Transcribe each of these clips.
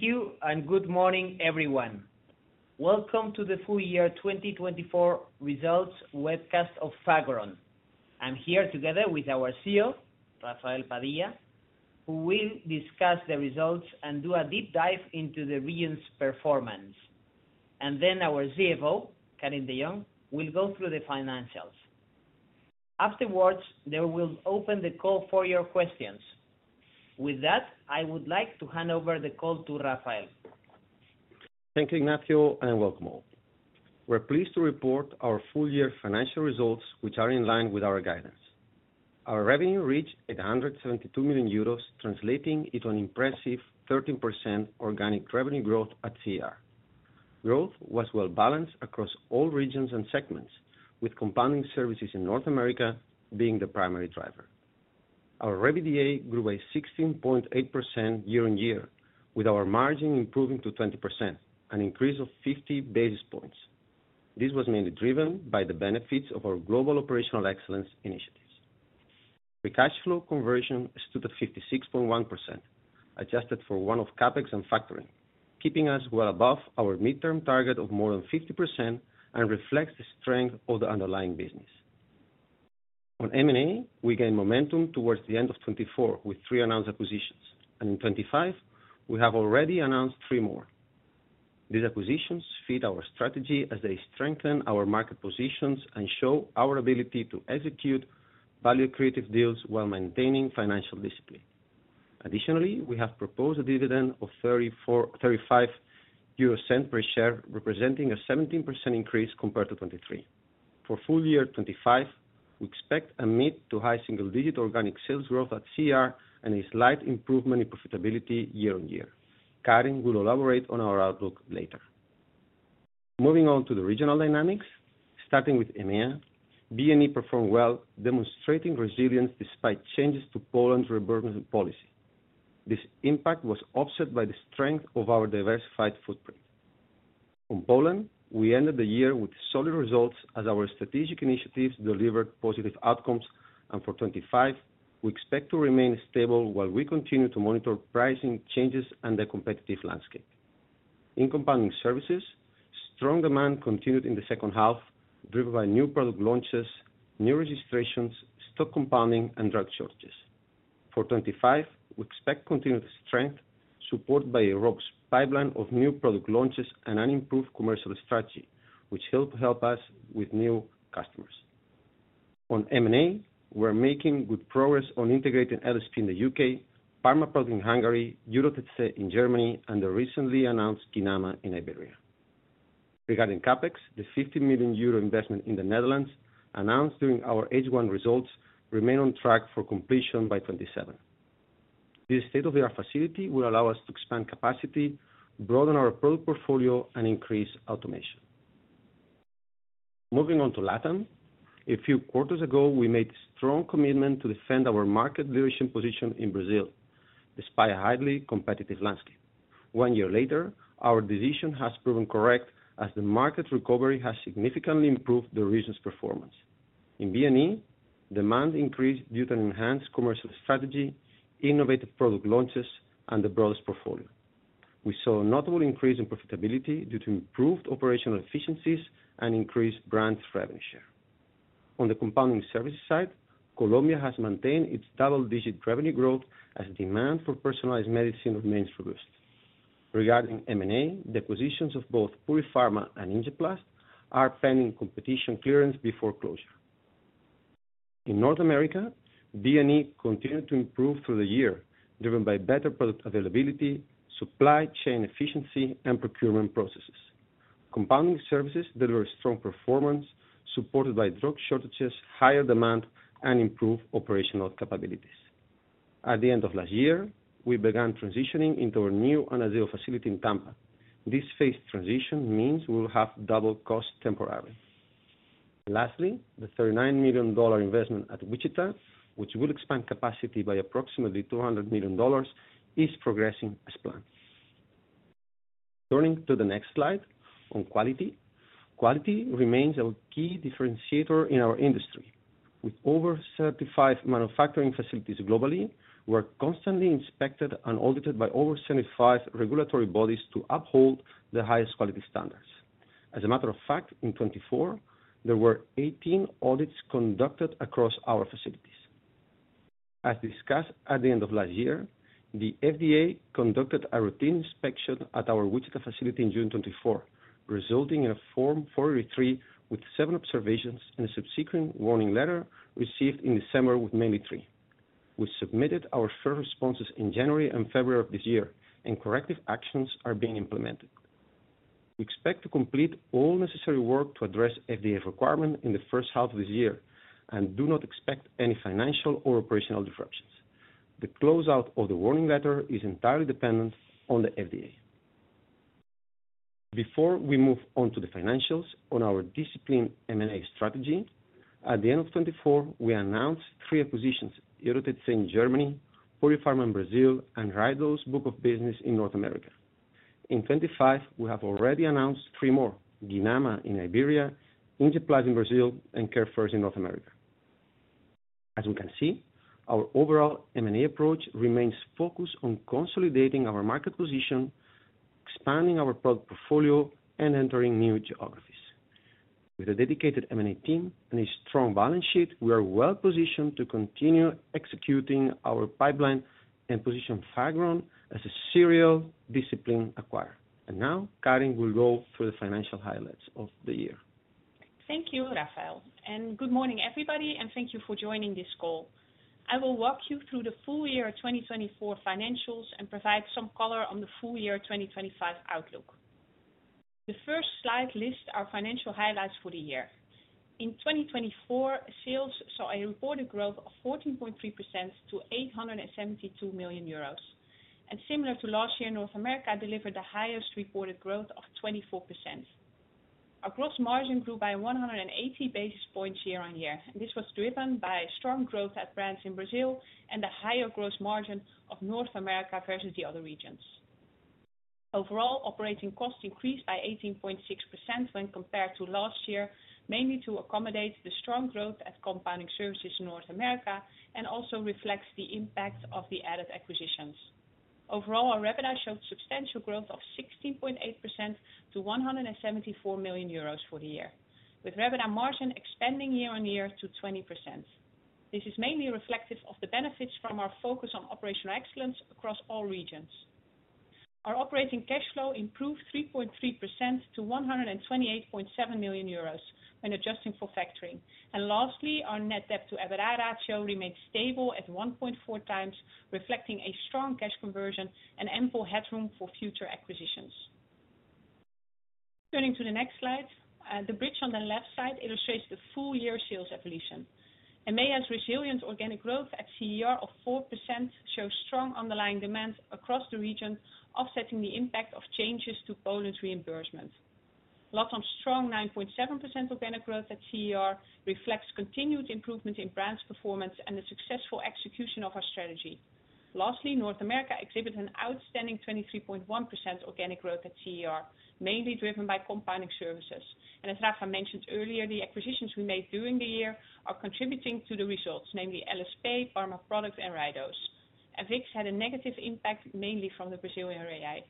Thank you, and good morning, everyone. Welcome to the Full Year 2024 Results Webcast of Fagron. I'm here together with our CEO, Rafael Padilla, who will discuss the results and do a deep dive into the region's performance, and then our CFO, Karin de Jong, will go through the financials. Afterwards, they will open the call for your questions. With that, I would like to hand over the call to Rafael. Thank you, Ignacio, and welcome all. We're pleased to report our full-year financial results, which are in line with our guidance. Our revenue reached 872 million euros, translating into an impressive 13% organic revenue growth at CER. Growth was well-balanced across all regions and segments, with compounding services in North America being the primary driver. Our revenue growth grew by 16.8% year-on-year, with our margin improving to 20%, an increase of 50 basis points. This was mainly driven by the benefits of our global operational excellence initiatives. Our cash flow conversion stood at 56.1%, adjusted for one-off CapEx and factoring, keeping us well above our midterm target of more than 50% and reflects the strength of the underlying business. On M&A, we gained momentum towards the end of 2024 with three announced acquisitions, and in 2025, we have already announced three more. These acquisitions fit our strategy as they strengthen our market positions and show our ability to execute value-creative deals while maintaining financial discipline. Additionally, we have proposed a dividend of 0.35 per share, representing a 17% increase compared to 2023. For full year 2025, we expect a mid to high single-digit organic sales growth at CER and a slight improvement in profitability year-on-year. Karin will elaborate on our outlook later. Moving on to the regional dynamics, starting with EMEA, B&E performed well, demonstrating resilience despite changes to Poland's reimbursement policy. This impact was offset by the strength of our diversified footprint. In Poland, we ended the year with solid results as our strategic initiatives delivered positive outcomes, and for 2025, we expect to remain stable while we continue to monitor pricing changes and the competitive landscape. In compounding services, strong demand continued in the second half, driven by new product launches, new registrations, stock compounding, and drug shortages. For 2025, we expect continued strength, supported by Europe's pipeline of new product launches and an improved commercial strategy, which will help us with new customers. On M&A, we're making good progress on integrating LSP in the U.K., Pharma-Pack in Hungary, Euro OTC in Germany, and the recently announced Guinama in Iberia. Regarding Capex, the 15 million euro investment in the Netherlands, announced during our H1 results, remains on track for completion by 2027. This state-of-the-art facility will allow us to expand capacity, broaden our product portfolio, and increase automation. Moving on to LatAm, a few quarters ago, we made a strong commitment to defend our market leadership position in Brazil, despite a highly competitive landscape. One year later, our decision has proven correct as the market recovery has significantly improved the region's performance. In B&E, demand increased due to an enhanced commercial strategy, innovative product launches, and the broader portfolio. We saw a notable increase in profitability due to improved operational efficiencies and increased brand revenue share. On the compounding services side, Colombia has maintained its double-digit revenue growth as demand for personalized medicine remains robust. Regarding M&A, the acquisitions of both Purifarma and Injeplast are pending competition clearance before closure. In North America, B&E continued to improve through the year, driven by better product availability, supply chain efficiency, and procurement processes. Compounding services delivered strong performance, supported by drug shortages, higher demand, and improved operational capabilities. At the end of last year, we began transitioning into our new AnazaoHealth facility in Tampa. This phased transition means we will have double costs temporarily. Lastly, the $39 million investment at Wichita, which will expand capacity by approximately $200 million, is progressing as planned. Turning to the next slide on Quality, Quality remains a key differentiator in our industry. With over 35 manufacturing facilities globally, we're constantly inspected and audited by over 75 regulatory bodies to uphold the highest quality standards. As a matter of fact, in 2024, there were 18 audits conducted across our facilities. As discussed at the end of last year, the FDA conducted a routine inspection at our Wichita facility in June 2024, resulting in a Form 483 with seven observations and a subsequent Warning Letter received in December with mainly three. We submitted our first responses in January and February of this year, and corrective actions are being implemented. We expect to complete all necessary work to address FDA requirements in the first half of this year and do not expect any financial or operational disruptions. The closeout of the warning letter is entirely dependent on the FDA. Before we move on to the financials on our disciplined M&A strategy, at the end of 2024, we announced three acquisitions: Euro OTC in Germany, Purifarma in Brazil, and Rydell's Book of Business in North America. In 2025, we have already announced three more: Guinama in Iberia, Injeplast in Brazil, and CareFirst in North America. As we can see, our overall M&A approach remains focused on consolidating our market position, expanding our product portfolio, and entering new geographies. With a dedicated M&A team and a strong balance sheet, we are well-positioned to continue executing our pipeline and position Fagron as a serial disciplined acquirer. Now, Karin will go through the financial highlights of the year. Thank you, Rafael. Good morning, everybody, and thank you for joining this call. I will walk you through the full year 2024 financials and provide some color on the full year 2025 outlook. The first slide lists our financial highlights for the year. In 2024, sales saw a reported growth of 14.3% to 872 million euros, and similar to last year, North America delivered the highest reported growth of 24%. Our gross margin grew by 180 basis points year-on-year, and this was driven by strong growth at brands in Brazil and the higher gross margin of North America versus the other regions. Overall, operating costs increased by 18.6% when compared to last year, mainly to accommodate the strong growth at compounding services in North America and also reflects the impact of the added acquisitions. Overall, our revenue showed substantial growth of 16.8% to 174 million euros for the year, with revenue margin expanding year-on-year to 20%. This is mainly reflective of the benefits from our focus on operational excellence across all regions. Our operating cash flow improved 3.3% to 128.7 million euros when adjusting for factoring, and lastly, our net debt-to-EBITDA ratio remained stable at 1.4 times, reflecting a strong cash conversion and ample headroom for future acquisitions. Turning to the next slide, the bridge on the left side illustrates the full-year sales evolution. EMEA has resilient organic growth at CER of 4%, shows strong underlying demand across the region, offsetting the impact of changes to Poland's reimbursement. LatAm's strong 9.7% organic growth at CER reflects continued improvement in brand performance and the successful execution of our strategy. Lastly, North America exhibits an outstanding 23.1% organic growth at CER, mainly driven by compounding services. As Rafa mentioned earlier, the acquisitions we made during the year are contributing to the results, namely LSP, PharmaProduct, and Rydell's. AVIX had a negative impact, mainly from the Brazilian real.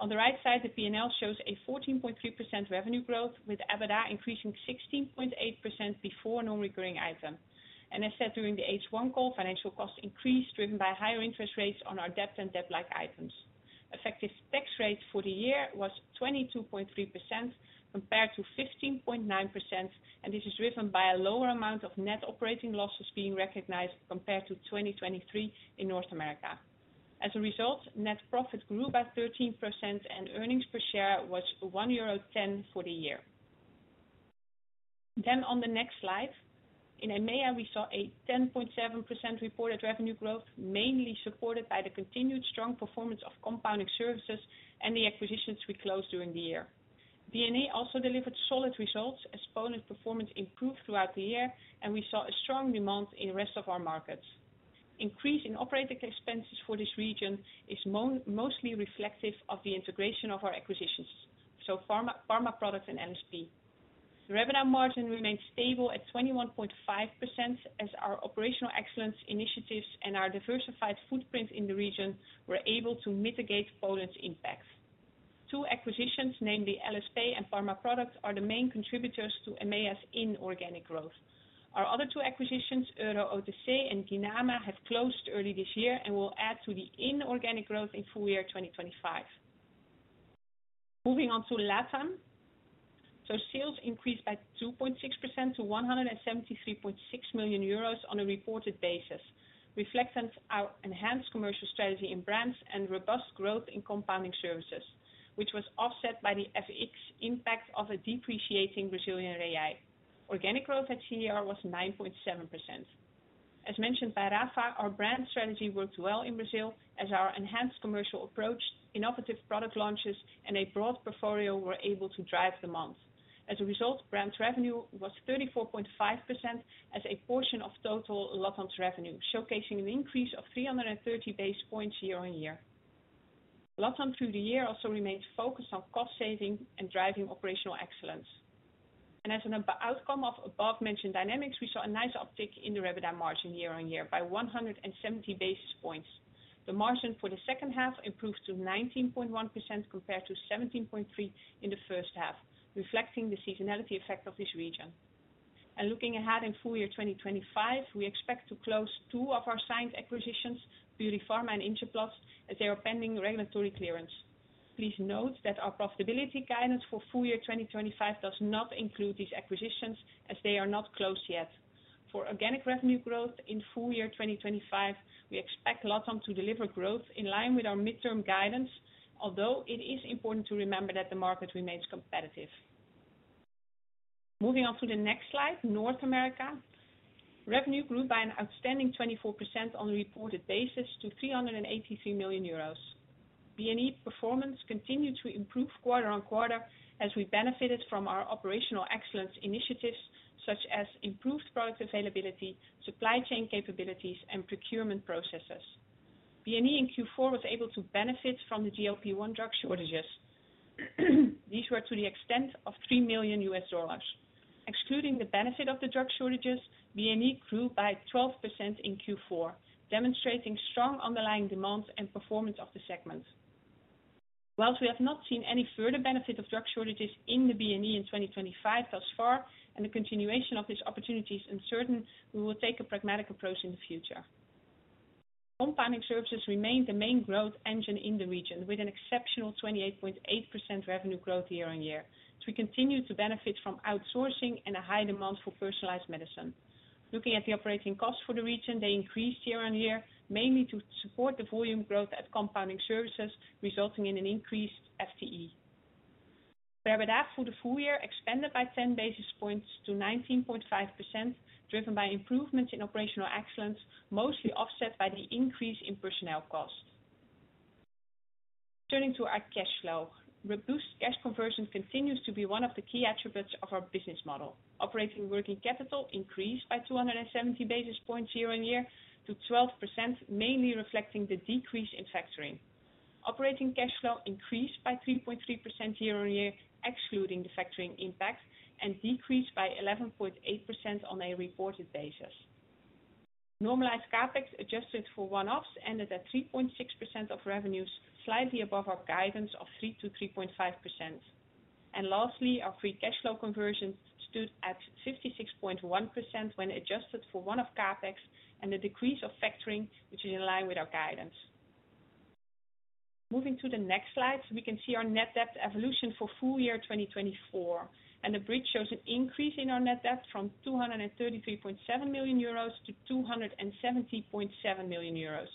On the right side, the P&L shows a 14.3% revenue growth, with EBITDA increasing 16.8% before non-recurring item. As said during the H1 call, financial costs increased driven by higher interest rates on our debt and debt-like items. Effective tax rate for the year was 22.3% compared to 15.9%, and this is driven by a lower amount of net operating losses being recognized compared to 2023 in North America. As a result, net profit grew by 13%, and earnings per share was 1.10 euro for the year. Then on the next slide, in EMEA, we saw a 10.7% reported revenue growth, mainly supported by the continued strong performance of compounding services and the acquisitions we closed during the year. B&E also delivered solid results as Poland's performance improved throughout the year, and we saw a strong demand in the rest of our markets. Increase in operating expenses for this region is mostly reflective of the integration of our acquisitions, so Pharma-Pack and LSP. Revenue margin remained stable at 21.5% as our operational excellence initiatives and our diversified footprint in the region were able to mitigate Poland's impact. Two acquisitions, namely LSP and Pharma-Pack, are the main contributors to EMEA's inorganic growth. Our other two acquisitions, Euro OTC and Guinama, have closed early this year and will add to the inorganic growth in full year 2025. Moving on to LatAm, so sales increased by 2.6% to 173.6 million euros on a reported basis, reflecting our enhanced commercial strategy in brands and robust growth in compounding services, which was offset by the FX impact of a depreciating Brazilian REI. Organic growth at CER was 9.7%. As mentioned by Rafa, our brand strategy worked well in Brazil as our enhanced commercial approach, innovative product launches, and a broad portfolio were able to drive demand. As a result, brand revenue was 34.5% as a portion of total LatAm's revenue, showcasing an increase of 330 basis points year-on-year. LatAm through the year also remained focused on cost saving and driving operational excellence. And as an outcome of above-mentioned dynamics, we saw a nice uptick in the revenue margin year-on-year by 170 basis points. The margin for the second half improved to 19.1% compared to 17.3% in the first half, reflecting the seasonality effect of this region. Looking ahead in full year 2025, we expect to close two of our signed acquisitions, Purifarma and Injeplast, as they are pending regulatory clearance. Please note that our profitability guidance for full year 2025 does not include these acquisitions as they are not closed yet. For organic revenue growth in full year 2025, we expect LatAm to deliver growth in line with our midterm guidance, although it is important to remember that the market remains competitive. Moving on to the next slide, North America. Revenue grew by an outstanding 24% on a reported basis to 383 million euros. B&E performance continued to improve quarter on quarter as we benefited from our operational excellence initiatives such as improved product availability, supply chain capabilities, and procurement processes. B&E in Q4 was able to benefit from the GLP-1 drug shortages. These were to the extent of $3 million. Excluding the benefit of the drug shortages, B&E grew by 12% in Q4, demonstrating strong underlying demands and performance of the segment. While we have not seen any further benefit of drug shortages in the B&E in 2025 thus far, and the continuation of these opportunities uncertain, we will take a pragmatic approach in the future. Compounding services remained the main growth engine in the region, with an exceptional 28.8% revenue growth year-on-year. We continue to benefit from outsourcing and a high demand for personalized medicine. Looking at the operating costs for the region, they increased year-on-year, mainly to support the volume growth at compounding services, resulting in an increased FTE. EBITDA, for the full year, expanded by 10 basis points to 19.5%, driven by improvements in operational excellence, mostly offset by the increase in personnel costs. Turning to our cash flow, robust cash conversion continues to be one of the key attributes of our business model. Operating working capital increased by 270 basis points year-on-year to 12%, mainly reflecting the decrease in factoring. Operating cash flow increased by 3.3% year-on-year, excluding the factoring impact, and decreased by 11.8% on a reported basis. Normalized CapEx adjusted for one-offs ended at 3.6% of revenues, slightly above our guidance of 3%-3.5%. And lastly, our free cash flow conversion stood at 56.1% when adjusted for one-off CapEx and the decrease of factoring, which is in line with our guidance. Moving to the next slide, we can see our net debt evolution for full year 2024. The bridge shows an increase in our net debt from 233.7 million euros to 270.7 million euros,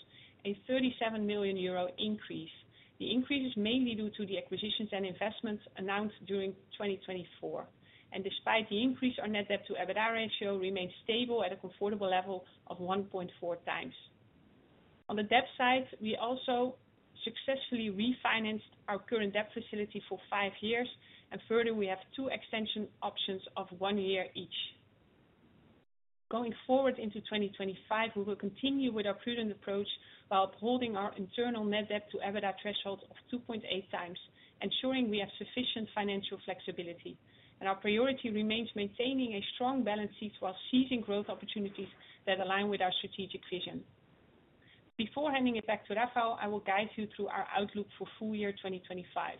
a 37 million euro increase. The increase is mainly due to the acquisitions and investments announced during 2024. Despite the increase, our net debt-to-EBITDA ratio remained stable at a comfortable level of 1.4 times. On the debt side, we also successfully refinanced our current debt facility for five years, and further, we have two extension options of one year each. Going forward into 2025, we will continue with our prudent approach while upholding our internal net debt-to-EBITDA threshold of 2.8 times, ensuring we have sufficient financial flexibility. Our priority remains maintaining a strong balance sheet while seizing growth opportunities that align with our strategic vision. Before handing it back to Rafael, I will guide you through our outlook for full year 2025.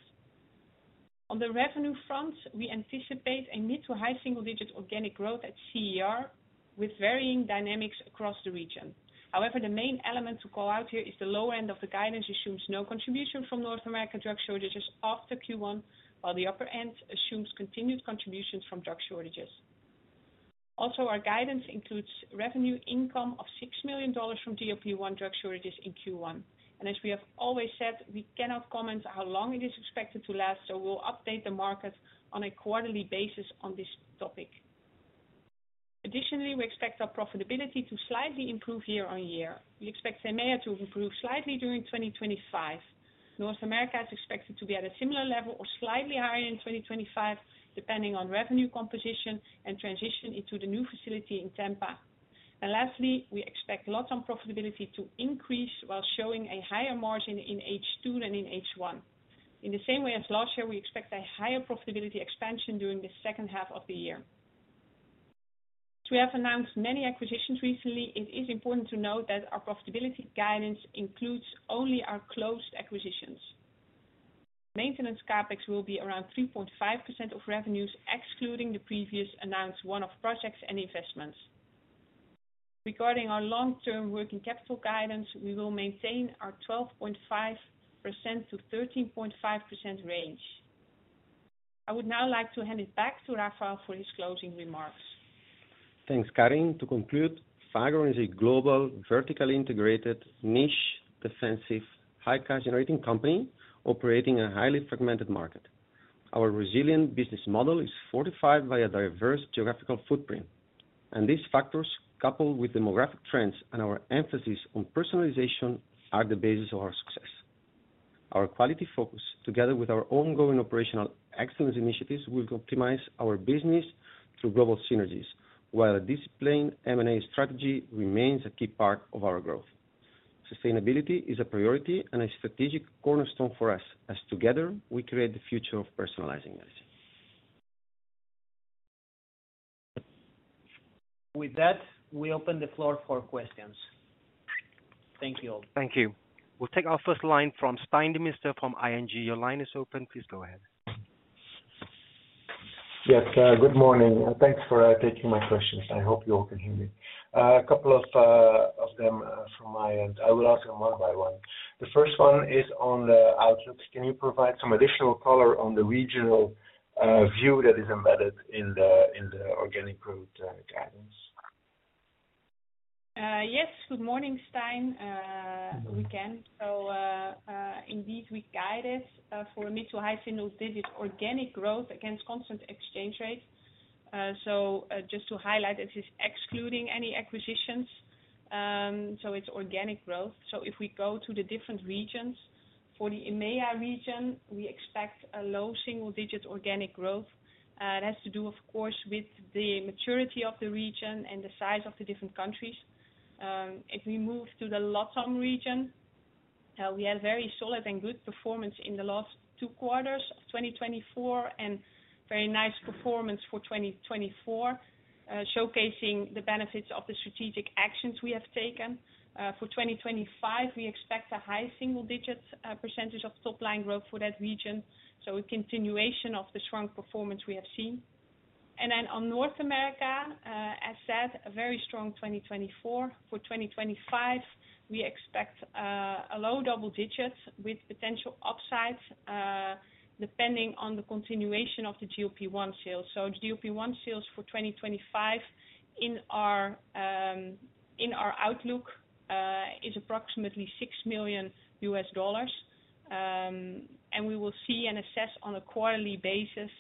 On the revenue front, we anticipate a mid to high single-digit organic growth at CER with varying dynamics across the region. However, the main element to call out here is the lower end of the guidance assumes no contribution from North America drug shortages after Q1, while the upper end assumes continued contributions from drug shortages. Also, our guidance includes revenue income of $6 million from GLP-1 drug shortages in Q1, and as we have always said, we cannot comment on how long it is expected to last, so we'll update the market on a quarterly basis on this topic. Additionally, we expect our profitability to slightly improve year-on-year. We expect EMEA to improve slightly during 2025. North America is expected to be at a similar level or slightly higher in 2025, depending on revenue composition and transition into the new facility in Tampa. Lastly, we expect LatAm profitability to increase while showing a higher margin in H2 than in H1. In the same way as last year, we expect a higher profitability expansion during the second half of the year. We have announced many acquisitions recently. It is important to note that our profitability guidance includes only our closed acquisitions. Maintenance CapEx will be around 3.5% of revenues, excluding the previously announced one-off projects and investments. Regarding our long-term working capital guidance, we will maintain our 12.5%-13.5% range. I would now like to hand it back to Rafael for his closing remarks. Thanks, Karin. To conclude, Fagron is a global, vertically integrated, niche, defensive, high-cash generating company operating in a highly fragmented market. Our resilient business model is fortified by a diverse geographical footprint, and these factors, coupled with demographic trends and our emphasis on personalization, are the basis of our success. Our quality focus, together with our ongoing operational excellence initiatives, will optimize our business through global synergies, while a disciplined M&A strategy remains a key part of our growth. Sustainability is a priority and a strategic cornerstone for us, as together we create the future of personalizing medicine. With that, we open the floor for questions. Thank you all. Thank you. We'll take our first line from Stijn Demeester from ING. Your line is open. Please go ahead. Yes, good morning. Thanks for taking my questions. I hope you all can hear me. A couple of them from my end. I will ask them one by one. The first one is on the outlook. Can you provide some additional color on the regional view that is embedded in the organic growth guidance? Yes, good morning, Stijn. We can. So indeed, we guided for mid- to high-single-digit organic growth against constant exchange rate. So just to highlight, this is excluding any acquisitions. So it's organic growth. So if we go to the different regions, for the EMEA region, we expect a low-single-digit organic growth. It has to do, of course, with the maturity of the region and the size of the different countries. If we move to the LatAm region, we had a very solid and good performance in the last two quarters of 2024 and very nice performance for 2024, showcasing the benefits of the strategic actions we have taken. For 2025, we expect a high-single-digit percentage of top-line growth for that region, so a continuation of the strong performance we have seen. Then on North America, as said, a very strong 2024. For 2025, we expect a low double-digit with potential upsides, depending on the continuation of the GLP-1 sales, so GLP-1 sales for 2025 in our outlook is approximately $6 million, and we will see and assess on a quarterly basis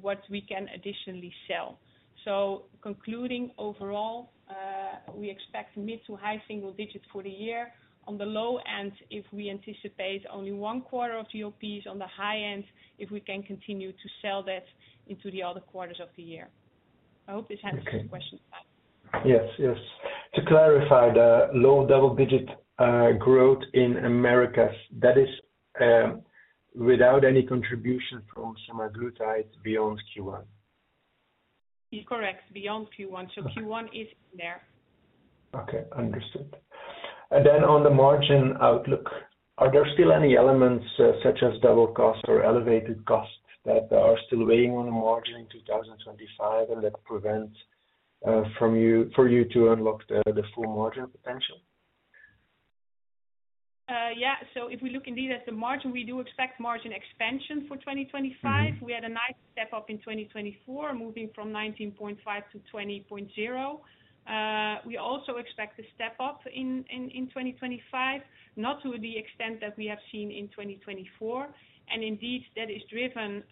what we can additionally sell, so concluding overall, we expect mid to high single-digit for the year. On the low end, if we anticipate only one quarter of GLPs, on the high end, if we can continue to sell that into the other quarters of the year. I hope this answers your question. Yes, yes. To clarify, the low double-digit growth in America, that is without any contribution from Semaglutide beyond Q1? Correct, beyond Q1. So Q1 is in there. Okay, understood. And then on the margin outlook, are there still any elements such as double costs or elevated costs that are still weighing on the margin in 2025 and that prevent for you to unlock the full margin potential? Yeah. So if we look indeed at the margin, we do expect margin expansion for 2025. We had a nice step up in 2024, moving from 19.5% to 20.0%. We also expect a step up in 2025, not to the extent that we have seen in 2024. And indeed, that is driven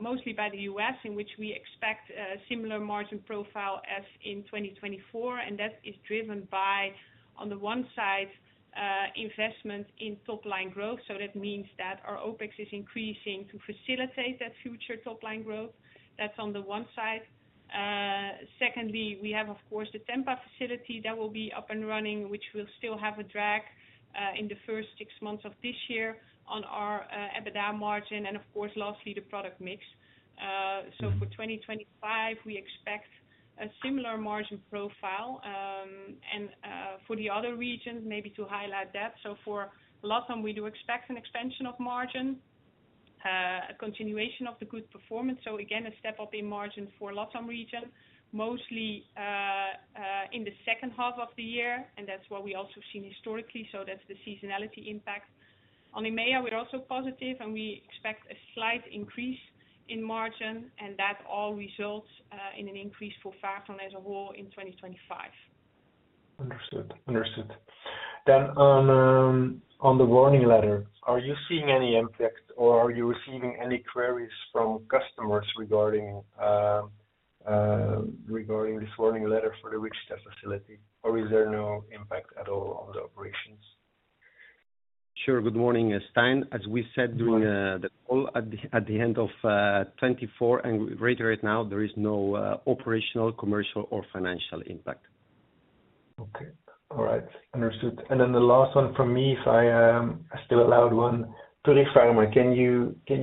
mostly by the U.S., in which we expect a similar margin profile as in 2024. And that is driven by, on the one side, investment in top-line growth. So that means that our OpEx is increasing to facilitate that future top-line growth. That's on the one side. Secondly, we have, of course, the Tampa facility that will be up and running, which will still have a drag in the first six months of this year on our EBITDA margin. And of course, lastly, the product mix. So for 2025, we expect a similar margin profile. For the other regions, maybe to highlight that. For LatAm, we do expect an expansion of margin, a continuation of the good performance. Again, a step up in margin for LatAm region, mostly in the second half of the year. That's what we also have seen historically. That's the seasonality impact. On EMEA, we're also positive, and we expect a slight increase in margin. That all results in an increase for Fagron as a whole in 2025. Understood, understood. Then on the Warning Letter, are you seeing any impact, or are you receiving any queries from customers regarding this Warning Letter for the Wichita facility? Or is there no impact at all on the operations? Sure. Good morning, Stijn. As we said during the call, at the end of 2024 and right now, there is no operational, commercial, or financial impact. Okay. All right. Understood. And then the last one from me, if I still allowed one. To reframe, can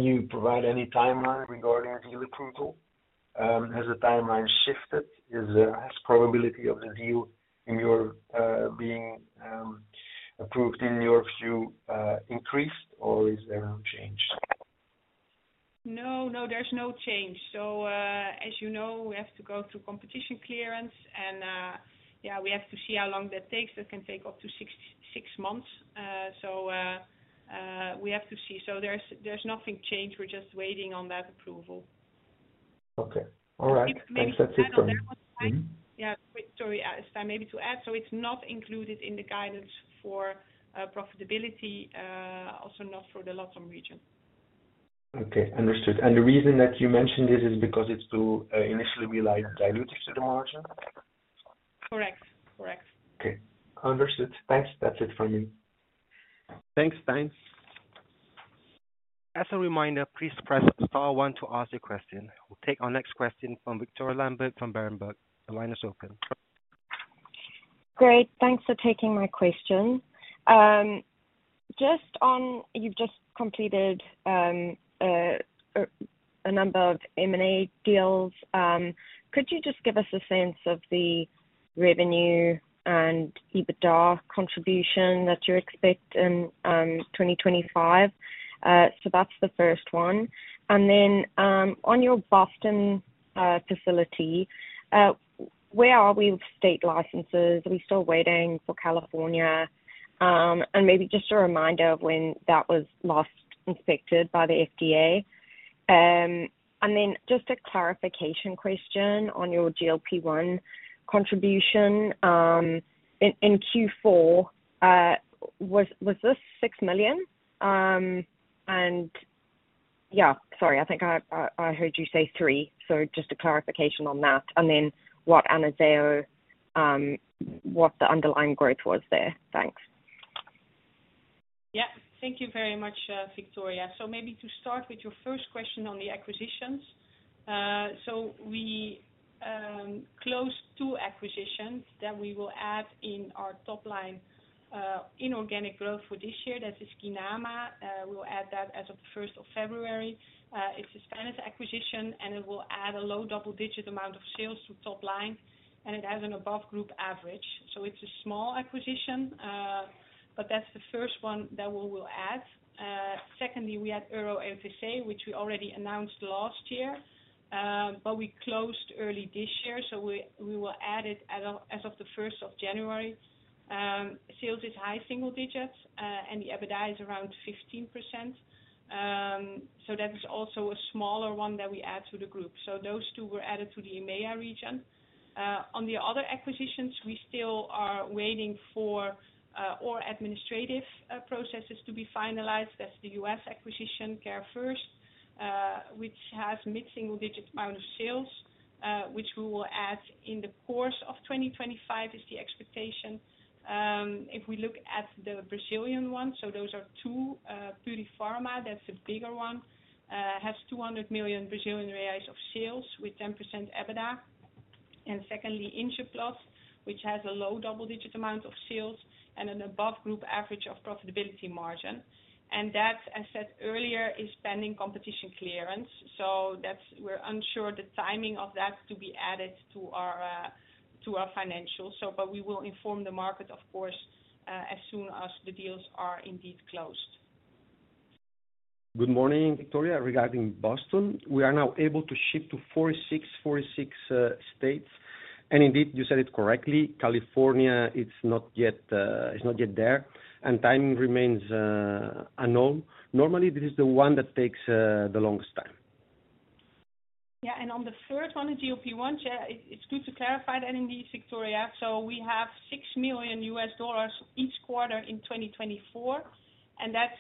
you provide any timeline regarding deal approval? Has the timeline shifted? Has the probability of the deal being approved in your view increased, or is there no change? No, no, there's no change. So as you know, we have to go through competition clearance. And yeah, we have to see how long that takes. That can take up to six months. So we have to see. So there's nothing changed. We're just waiting on that approval. Okay. All right. Thanks. That's it from me. Yeah. Sorry, Stijn, maybe to add. So it's not included in the guidance for profitability, also not for the LatAm region. Okay. Understood. And the reason that you mentioned this is because it's to initially be like diluted to the margin? Correct, correct. Okay. Understood. Thanks. That's it from me. Thanks, Stijn. As a reminder, please press star one to ask the question. We'll take our next question from Victoria Lambert from Berenberg. The line is open. Great. Thanks for taking my question. You've just completed a number of M&A deals. Could you just give us a sense of the revenue and EBITDA contribution that you expect in 2025? So that's the first one. And then on your Boston facility, where are we with state licenses? Are we still waiting for California? And maybe just a reminder of when that was last inspected by the FDA. And then just a clarification question on your GLP-1 contribution. In Q4, was this 6 million? And yeah, sorry, I think I heard you say three. So just a clarification on that. And then what the underlying growth was there. Thanks. Yep. Thank you very much, Victoria. So maybe to start with your first question on the acquisitions. So we closed two acquisitions that we will add in our top-line inorganic growth for this year. That is Guinama. We'll add that as of the 1st of February. It's a Spanish acquisition, and it will add a low double-digit amount of sales to top line. And it has an above-group average. So it's a small acquisition, but that's the first one that we will add. Secondly, we had Euro OTC, which we already announced last year, but we closed early this year. So we will add it as of the 1st of January. Sales is high single-digits, and the EBITDA is around 15%. So that is also a smaller one that we add to the group. So those two were added to the EMEA region. On the other acquisitions, we still are waiting for administrative processes to be finalized. That's the U.S. acquisition, CareFirst, which has a mid-single-digit amount of sales, which we will add in the course of 2025, is the expectation. If we look at the Brazilian one, so those are two. Purifarma, that's a bigger one, has 200 million Brazilian reais of sales with 10% EBITDA. And secondly, Injeplast, which has a low double-digit amount of sales and an above-group average of profitability margin. And that, as said earlier, is pending competition clearance. So we're unsure of the timing of that to be added to our financials. But we will inform the market, of course, as soon as the deals are indeed closed. Good morning, Victoria. Regarding Boston, we are now able to ship to 46 states, and indeed, you said it correctly, California, it's not yet there, and timing remains unknown. Normally, this is the one that takes the longest time. Yeah. And on the third one, the GLP-1, it's good to clarify that indeed, Victoria. So we have $6 million each quarter in 2024. And that's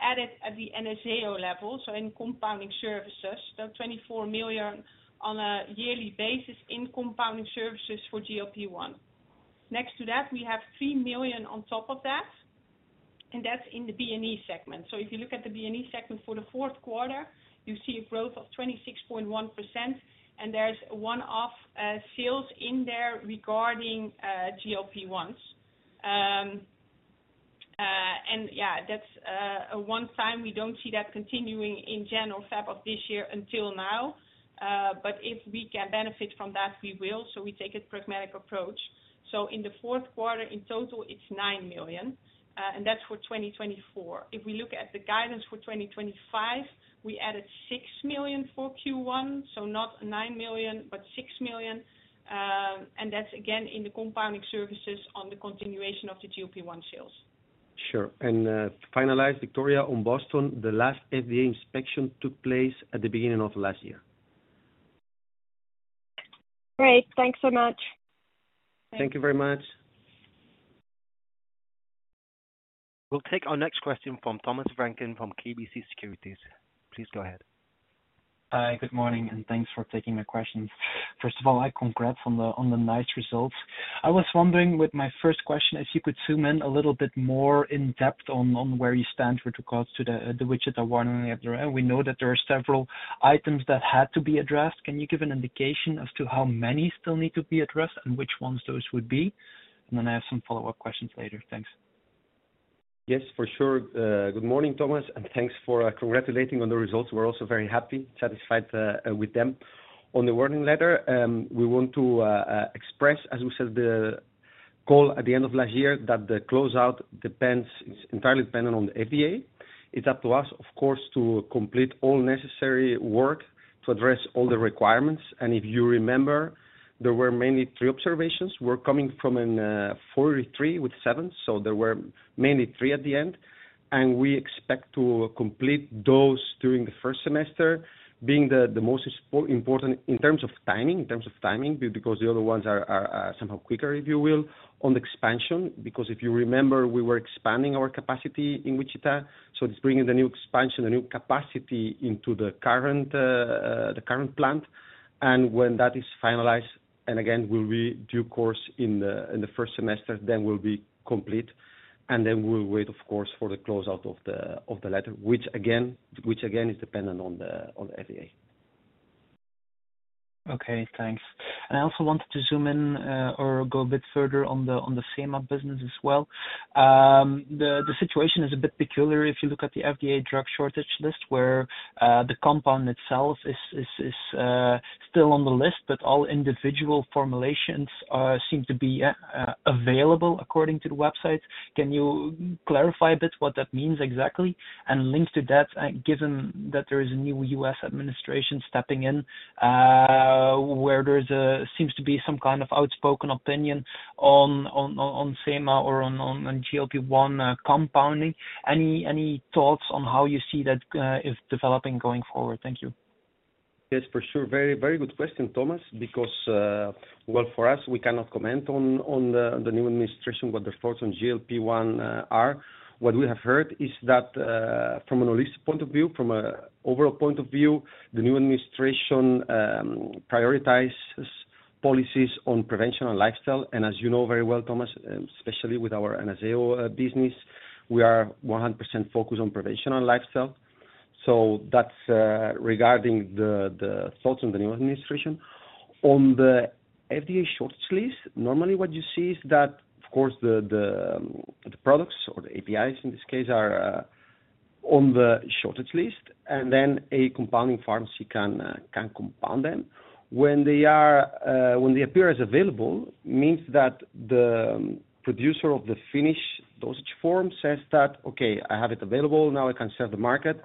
added at the Anazao level, so in compounding services. So $24 million on a yearly basis in compounding services for GLP-1. Next to that, we have $3 million on top of that. And that's in the B&E segment. So if you look at the B&E segment for the fourth quarter, you see a growth of 26.1%. And there's one-off sales in there regarding GLP-1s. And yeah, that's a one-time we don't see that continuing in Q1 or Q2 of this year until now. But if we can benefit from that, we will. So we take a pragmatic approach. So in the fourth quarter, in total, it's $9 million. And that's for 2024. If we look at the guidance for 2025, we added 6 million for Q1. So not 9 million, but 6 million. And that's again in the compounding services on the continuation of the GLP-1 sales. Sure. And to finalize, Victoria, on Boston, the last FDA inspection took place at the beginning of last year. Great. Thanks so much. Thank you very much. We'll take our next question from Thomas Vranken from KBC Securities. Please go ahead. Hi, good morning, and thanks for taking my questions. First of all, I congratulate on the nice results. I was wondering with my first question if you could zoom in a little bit more in depth on where you stand with regards to the Wichita Warning Letter. We know that there are several items that had to be addressed. Can you give an indication as to how many still need to be addressed and which ones those would be? And then I have some follow-up questions later. Thanks. Yes, for sure. Good morning, Thomas, and thanks for congratulating on the results. We're also very happy, satisfied with them. On the Warning Letter, we want to express, as we said at the end of last year, that the closeout depends entirely on the FDA. It's up to us, of course, to complete all necessary work to address all the requirements, and if you remember, there were mainly three observations. We're coming from a 483 with seven. So there were mainly three at the end, and we expect to complete those during the first semester, being the most important in terms of timing, because the other ones are somehow quicker, if you will, on the expansion, because if you remember, we were expanding our capacity in Wichita. So it's bringing the new expansion, the new capacity into the current plant. When that is finalized, and again, we'll be in due course in the first semester, then we'll be complete. Then we'll wait, of course, for the closeout of the letter, which again is dependent on the FDA. Okay, thanks. And I also wanted to zoom in or go a bit further on the Sema business as well. The situation is a bit peculiar if you look at the FDA drug shortage list, where the compound itself is still on the list, but all individual formulations seem to be available according to the website. Can you clarify a bit what that means exactly? And, linked to that, given that there is a new U.S. administration stepping in, where there seems to be some kind of outspoken opinion on Sema or on GLP-1 compounding. Any thoughts on how you see that developing going forward? Thank you. Yes, for sure. Very, very good question, Thomas. Because, well, for us, we cannot comment on the new administration, what their thoughts on GLP-1 are. What we have heard is that from a holistic point of view, from an overall point of view, the new administration prioritizes policies on prevention and lifestyle, and as you know very well, Thomas, especially with our Anazao business, we are 100% focused on prevention and lifestyle. That's regarding the thoughts on the new administration. On the FDA shortage list, normally what you see is that, of course, the products or the APIs in this case are on the shortage list, and then a compounding pharmacy can compound them. When they appear as available, it means that the producer of the finished dosage form says that, "Okay, I have it available. Now it's on the market."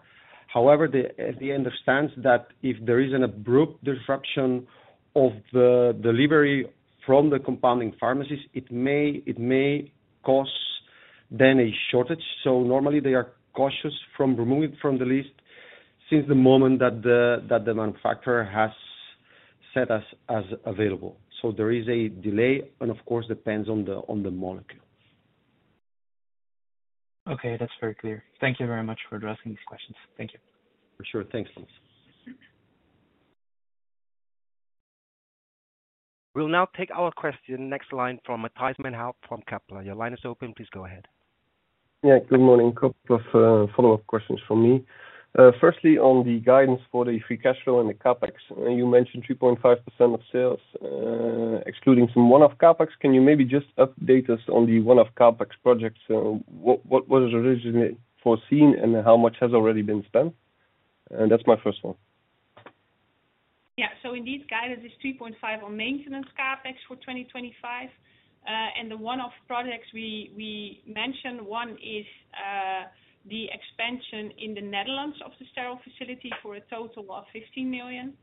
However, the FDA understands that if there is an abrupt disruption of the delivery from the compounding pharmacies, it may cause a shortage, so normally they are cautious about removing it from the list since the moment that the manufacturer has set as available. So there is a delay, and of course, it depends on the molecule. Okay, that's very clear. Thank you very much for addressing these questions. Thank you. For sure. Thanks, Thomas. We'll now take our question next line from Matthias Maenhaut from Kepler Cheuvreux. Your line is open. Please go ahead. Yeah, good morning. A couple of follow-up questions from me. Firstly, on the guidance for the free cash flow and the CapEx, you mentioned 3.5% of sales, excluding some one-off CapEx. Can you maybe just update us on the one-off CapEx projects? What was originally foreseen, and how much has already been spent? And that's my first one. Yeah. So in these guidances, it's 3.5% on maintenance CapEx for 2025. And the one-off projects we mentioned, one is the expansion in the Netherlands of the sterile facility for a total of 15 million.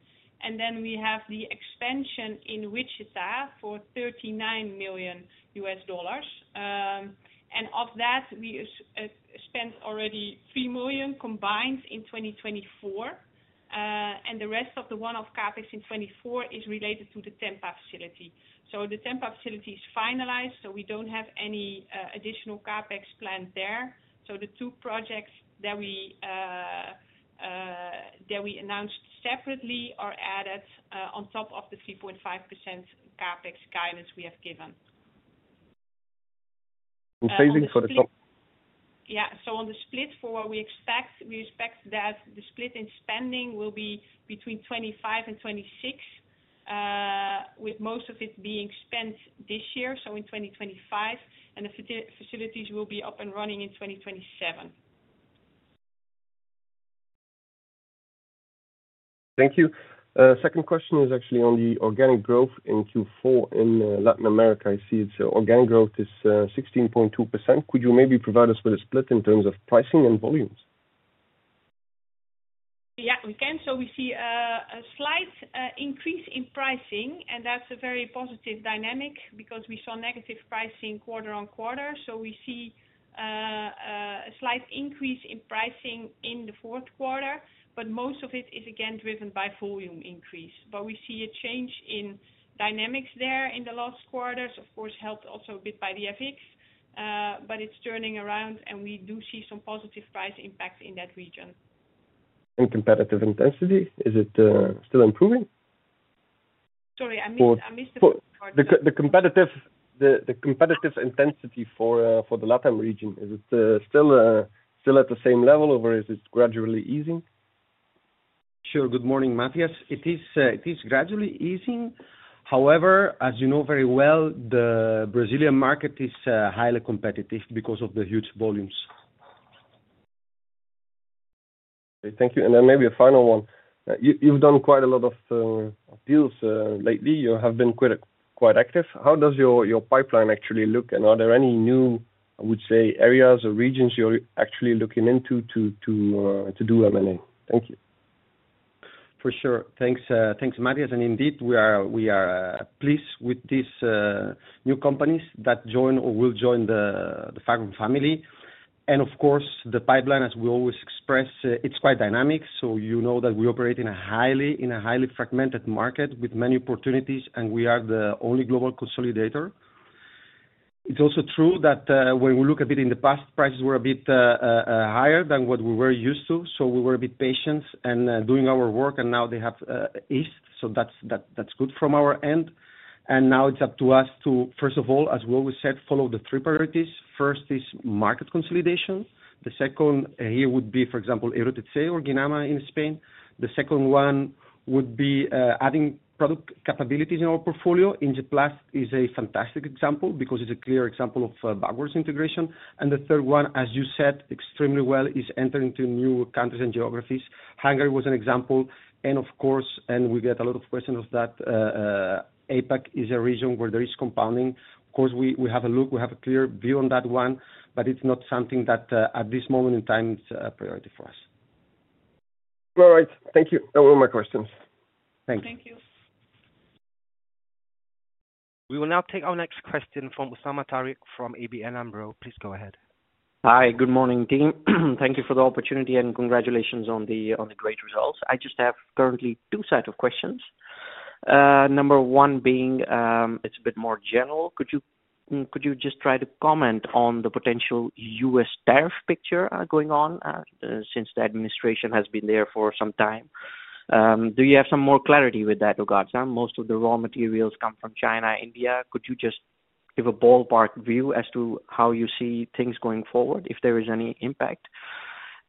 And then we have the expansion in Wichita for $39 million. And of that, we spent already $3 million combined in 2024. And the rest of the one-off CapEx in 2024 is related to the Tampa facility. So the Tampa facility is finalized, so we don't have any additional CapEx planned there. So the two projects that we announced separately are added on top of the 3.5% CapEx guidance we have given. I'm phasing for the top. Yeah, so on the split for what we expect, we expect that the split in spending will be between 25 and 26, with most of it being spent this year, so in 2025, and the facilities will be up and running in 2027. Thank you. Second question is actually on the organic growth in Q4 in Latin America. I see it's organic growth is 16.2%. Could you maybe provide us with a split in terms of pricing and volumes? Yeah, we can. So we see a slight increase in pricing, and that's a very positive dynamic because we saw negative pricing quarter on quarter. So we see a slight increase in pricing in the fourth quarter, but most of it is again driven by volume increase. But we see a change in dynamics there in the last quarters, of course, helped also a bit by the FX. But it's turning around, and we do see some positive price impact in that region. And competitive intensity? Is it still improving? Sorry, I missed the first part. The competitive intensity for the LatAm region, is it still at the same level, or is it gradually easing? Sure. Good morning, Matthias. It is gradually easing. However, as you know very well, the Brazilian market is highly competitive because of the huge volumes. Thank you. And then maybe a final one. You've done quite a lot of deals lately. You have been quite active. How does your pipeline actually look? And are there any new, I would say, areas or regions you're actually looking into to do M&A? Thank you. For sure. Thanks, Matthias. And indeed, we are pleased with these new companies that join or will join the Fagron family. And of course, the pipeline, as we always express, it's quite dynamic. So you know that we operate in a highly fragmented market with many opportunities, and we are the only global consolidator. It's also true that when we look a bit in the past, prices were a bit higher than what we were used to. So we were a bit patient and doing our work, and now they have eased. So that's good from our end. And now it's up to us to, first of all, as we always said, follow the three priorities. First is market consolidation. The second here would be, for example, Euro OTC or Guinama in Spain. The second one would be adding product capabilities in our portfolio. Injeplast is a fantastic example because it's a clear example of backward integration, and the third one, as you said extremely well, is entering into new countries and geographies. Hungary was an example, and of course, we get a lot of questions of that, APAC is a region where there is compounding. Of course, we have a look. We have a clear view on that one, but it's not something that at this moment in time is a priority for us. All right. Thank you. That was all my questions. Thank you. Thank you. We will now take our next question from Usama Tariq from ABN AMRO. Please go ahead. Hi, good morning, team. Thank you for the opportunity and congratulations on the great results. I just have currently two sets of questions. Number one being, it's a bit more general. Could you just try to comment on the potential U.S. tariff picture going on since the administration has been there for some time? Do you have some more clarity with that regards? Most of the raw materials come from China, India. Could you just give a ballpark view as to how you see things going forward, if there is any impact?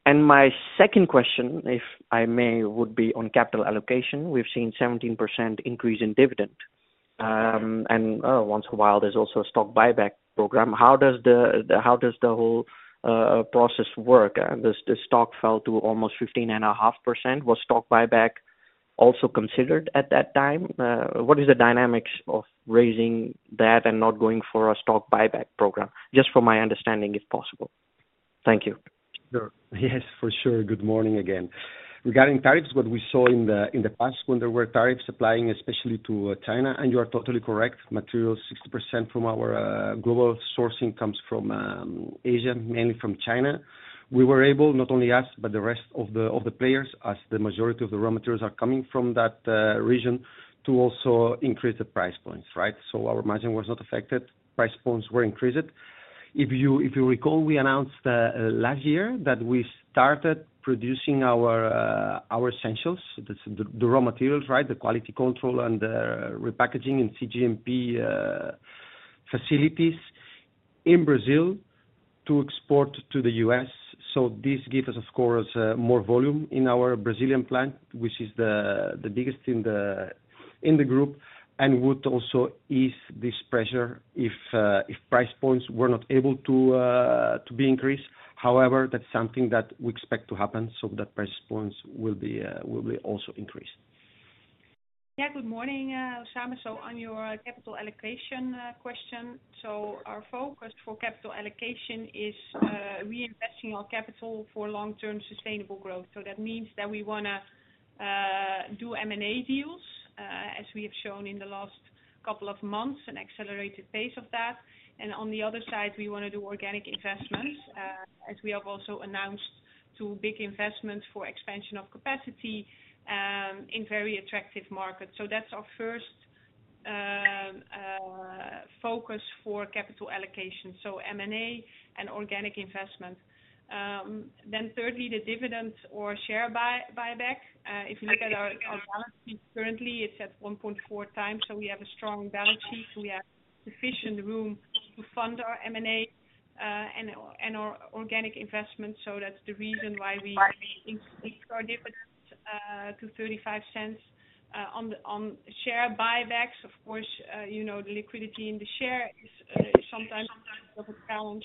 And my second question, if I may, would be on capital allocation. We've seen a 17% increase in dividend. And once in a while, there's also a stock buyback program. How does the whole process work? The stock fell to almost 15.5%. Was stock buyback also considered at that time? What is the dynamics of raising that and not going for a stock buyback program? Just for my understanding, if possible. Thank you. Sure. Yes, for sure. Good morning again. Regarding tariffs, what we saw in the past when there were tariffs applying, especially to China, and you are totally correct, materials, 60% from our global sourcing comes from Asia, mainly from China. We were able, not only us, but the rest of the players, as the majority of the raw materials are coming from that region, to also increase the price points, right? So our margin was not affected. Price points were increased. If you recall, we announced last year that we started producing our essentials, the raw materials, right, the quality control and the repackaging in CGMP facilities in Brazil to export to the U.S. So this gives us, of course, more volume in our Brazilian plant, which is the biggest in the group, and would also ease this pressure if price points were not able to be increased. However, that's something that we expect to happen, so that price points will be also increased. Yeah, good morning, Usama. On your capital allocation question, our focus for capital allocation is reinvesting our capital for long-term sustainable growth. That means that we want to do M&A deals, as we have shown in the last couple of months, an accelerated pace of that. On the other side, we want to do organic investments, as we have also announced two big investments for expansion of capacity in very attractive markets. That is our first focus for capital allocation, M&A and organic investment. Thirdly, the dividend or share buyback. If you look at our balance sheet currently, it is at 1.4 times. We have a strong balance sheet. We have sufficient room to fund our M&A and our organic investments. That is the reason why we increased our dividends to EUR 0.35. On share buybacks, of course, the liquidity in the share is sometimes a challenge.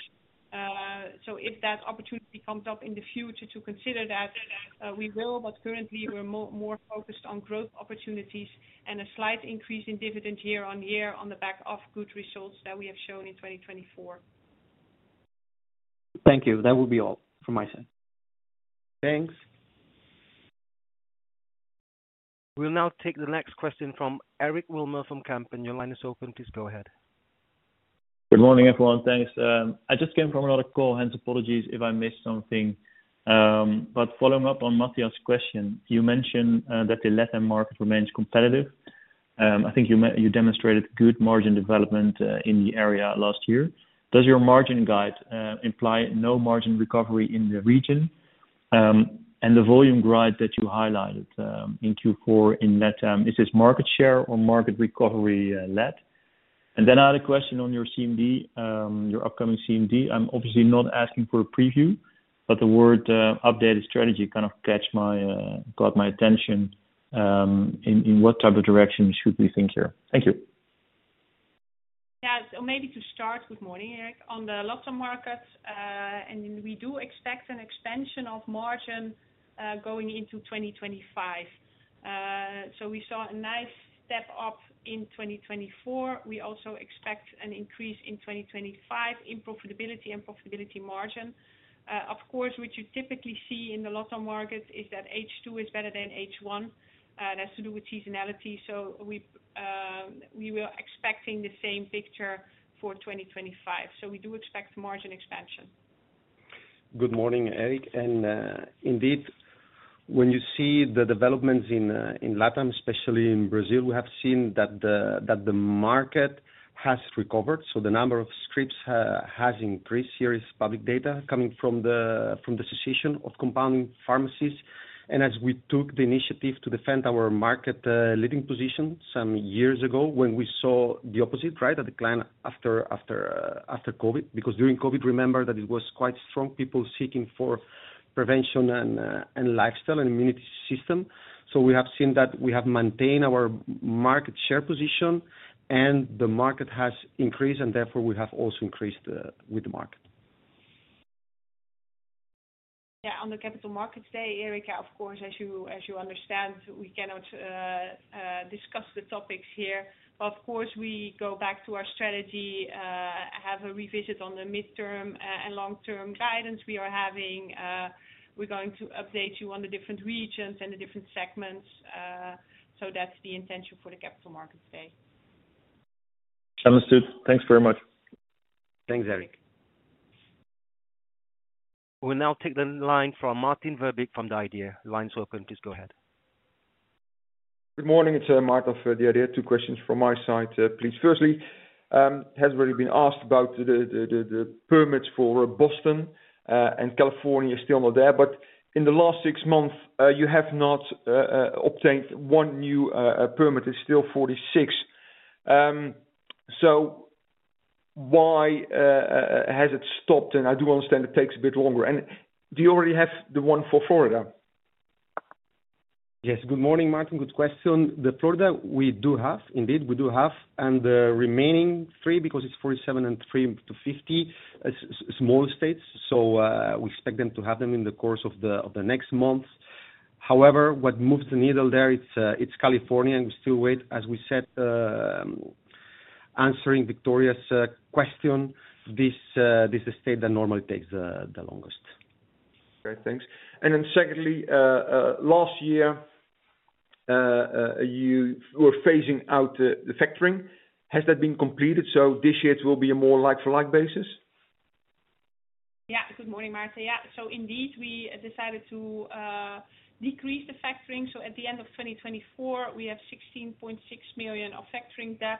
So if that opportunity comes up in the future to consider that, we will. But currently, we're more focused on growth opportunities and a slight increase in dividend year on year on the back of good results that we have shown in 2024. Thank you. That would be all from my side. Thanks. We'll now take the next question from Eric Wilmer from Kempen & Co. Your line is open. Please go ahead. Good morning, everyone. Thanks. I just came from another call. Hence, apologies if I missed something. But following up on Matthias' question, you mentioned that the Latin market remains competitive. I think you demonstrated good margin development in the area last year. Does your margin guide imply no margin recovery in the region? And the volume growth that you highlighted in Q4 in LatAm, is this market share or market recovery-led? And then I had a question on your CMD, your upcoming CMD. I'm obviously not asking for a preview, but the word "updated strategy" kind of caught my attention. In what type of direction should we think here? Thank you. Yeah. So maybe to start, good morning, Eric. On the LatAm market, we do expect an expansion of margin going into 2025. So we saw a nice step up in 2024. We also expect an increase in 2025 in profitability and profitability margin. Of course, what you typically see in the LatAm market is that H2 is better than H1. That's to do with seasonality. So we were expecting the same picture for 2025. So we do expect margin expansion. Good morning, Eric, and indeed, when you see the developments in LatAm, especially in Brazil, we have seen that the market has recovered, so the number of scripts has increased. Here is public data coming from the census of compounding pharmacies, and as we took the initiative to defend our market leading position some years ago, when we saw the opposite, right, a decline after COVID, because during COVID, remember that it was quite strong, people seeking for prevention and lifestyle and immune system, so we have seen that we have maintained our market share position, and the market has increased, and therefore we have also increased with the market. Yeah. On the capital markets day, Eric, of course, as you understand, we cannot discuss the topics here. But of course, we go back to our strategy, have a revisit on the midterm and long-term guidance we are having. We're going to update you on the different regions and the different segments. So that's the intention for the capital markets day. Understood. Thanks very much. Thanks, Eric. We'll now take the line from Maarten Verbeek from The Idea. Line's open. Please go ahead. Good morning. It's Maarten of The Idea. Two questions from my side, please. First, it has already been asked about the permits for Boston, and California is still not there. But in the last six months, you have not obtained one new permit. It's still 46. So why has it stopped? And I do understand it takes a bit longer. And do you already have the one for Florida? Yes. Good morning, Maarten. Good question. The Florida, we do have, indeed, we do have, and the remaining three, because it's 47 and three to 50, small states, so we expect them to have them in the course of the next month. However, what moves the needle there, it's California, and we still wait, as we said, answering Victoria's question. This is the state that normally takes the longest. Great. Thanks, and then secondly, last year, you were phasing out the factoring. Has that been completed, so this year it will be a more like-for-like basis? Yeah. Good morning, Maarten. Yeah. So indeed, we decided to decrease the factoring. So at the end of 2024, we have 16.6 million of factoring debt.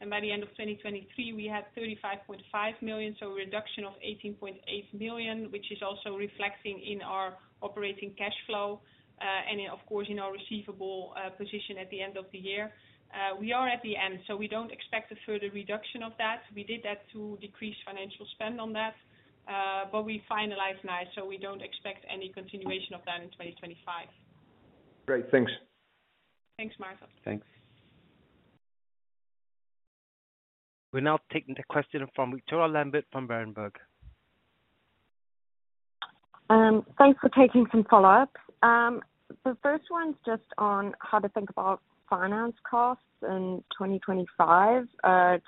And by the end of 2023, we had 35.5 million. So a reduction of 18.8 million, which is also reflecting in our operating cash flow and, of course, in our receivable position at the end of the year. We are at the end, so we don't expect a further reduction of that. We did that to decrease financial spend on that, but we finalized nicely. So we don't expect any continuation of that in 2025. Great. Thanks. Thanks, Martin. Thanks. We'll now take the question from Victoria Lambert from Berenberg. Thanks for taking some follow-ups. The first one's just on how to think about finance costs in 2025,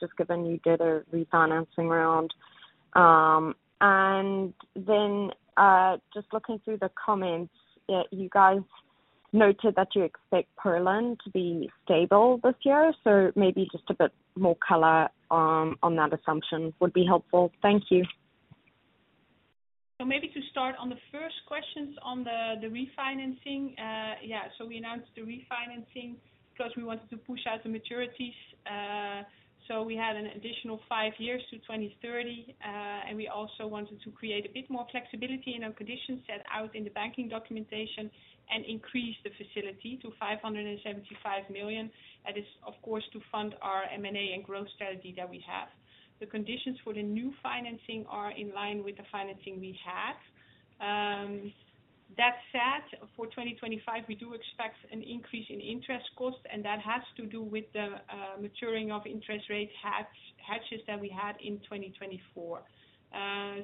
just given you did a refinancing round. And then just looking through the comments, you guys noted that you expect Poland to be stable this year. So maybe just a bit more color on that assumption would be helpful. Thank you. So maybe to start on the first questions on the refinancing, yeah. So we announced the refinancing because we wanted to push out the maturities. So we had an additional five years to 2030. And we also wanted to create a bit more flexibility in our conditions set out in the banking documentation and increase the facility to 575 million. That is, of course, to fund our M&A and growth strategy that we have. The conditions for the new financing are in line with the financing we have. That said, for 2025, we do expect an increase in interest costs, and that has to do with the maturing of interest rate hatches that we had in 2024.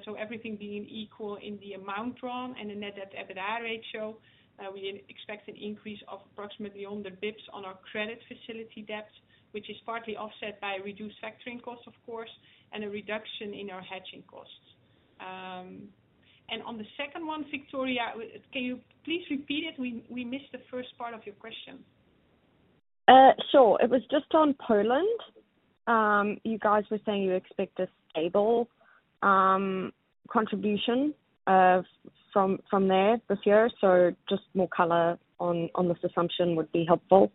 So everything being equal in the amount drawn and the net debt/EBITDA ratio, we expect an increase of approximately 100 basis points on our credit facility debt, which is partly offset by reduced factoring costs, of course, and a reduction in our hedging costs. And on the second one, Victoria, can you please repeat it? We missed the first part of your question. Sure. It was just on Poland. You guys were saying you expect a stable contribution from there this year. So just more color on this assumption would be helpful.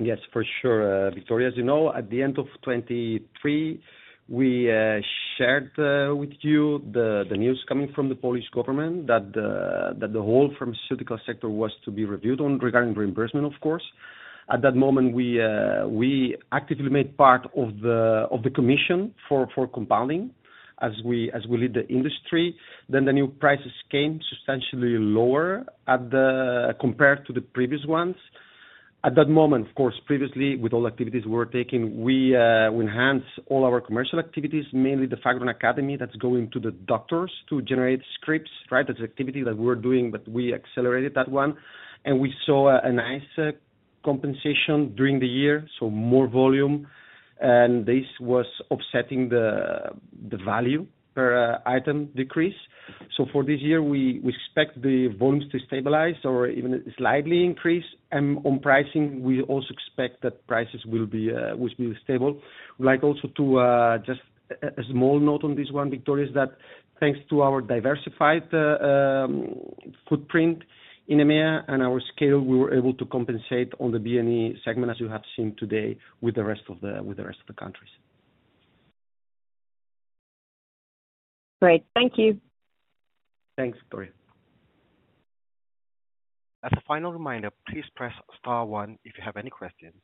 Yes, for sure. Victoria, as you know, at the end of 2023, we shared with you the news coming from the Polish government that the whole Pharmaceutical sector was to be reviewed regarding reimbursement, of course. At that moment, we actively made part of the commission for compounding as we lead the industry. Then the new prices came substantially lower compared to the previous ones. At that moment, of course, previously, with all activities we were taking, we enhanced all our commercial activities, mainly the Fagron Academy that's going to the doctors to generate scripts, right? That's an activity that we were doing, but we accelerated that one. And we saw a nice compensation during the year, so more volume. And this was offsetting the value per item decrease. So for this year, we expect the volumes to stabilize or even slightly increase. On pricing, we also expect that prices will be stable. We'd like also to just a small note on this one, Victoria, is that thanks to our diversified footprint in EMEA and our scale, we were able to compensate on the B&E segment, as you have seen today, with the rest of the countries. Great. Thank you. Thanks, Victoria. As a final reminder, please press star one if you have any questions.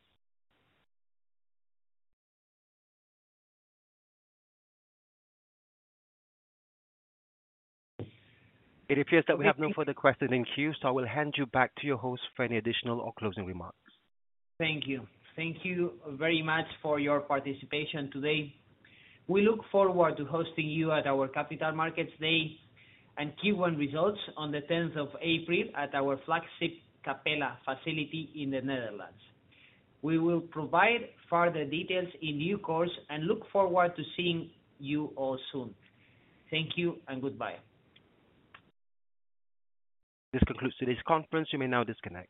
It appears that we have no further questions in queue, so I will hand you back to your host for any additional or closing remarks. Thank you. Thank you very much for your participation today. We look forward to hosting you at our Capital Markets Day and Q1 results on the 10th of April at our flagship Capelle facility in the Netherlands. We will provide further details in due course and look forward to seeing you all soon. Thank you and goodbye. This concludes today's conference. You may now disconnect.